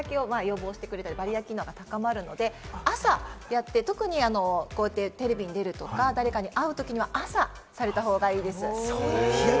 なるので、あとは角層に水分が行くと、日焼けを予防してくれたり、バリア機能が高まるので、朝やって特にテレビに出るとか、誰かに会うときには朝された方がいいです。